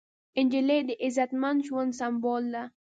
نجلۍ د عزتمن ژوند سمبول ده.